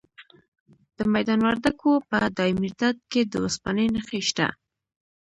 د میدان وردګو په دایمیرداد کې د وسپنې نښې شته.